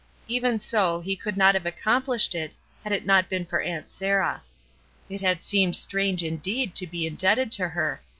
Even so, he could not have accomplished it had it not been for Aunt Sarah. It had seemed strange, indeed, to be indebted to her.